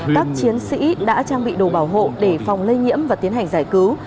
các chiến sĩ đã trang bị đồ bảo hộ để phòng lây nhiễm và tiến hành giải cứu